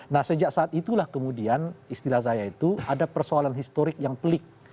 nah sejak saat itulah kemudian istilah saya itu ada persoalan historik yang pelik